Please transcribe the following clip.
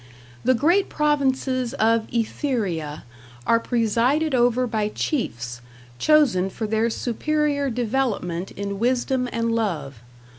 The great provinces of Etheria are presided over by chiefs, chosen for their superior development in wisdom and love.